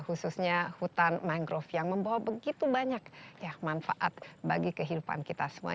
khususnya hutan mangrove yang membawa begitu banyak manfaat bagi kehidupan kita semua